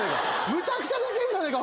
むちゃくちゃでけえじゃねえか。